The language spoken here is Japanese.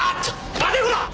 待てコラッ！